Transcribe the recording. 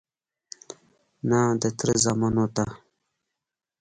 _نه، د تره زامنو ته..